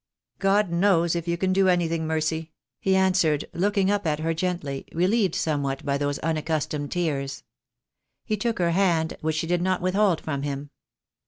"God knows if you can do anything, Mercy," he an swered, looking up at her gently, relieved somewhat by those unaccustomed tears. He took her hand, which she did not withhold from him.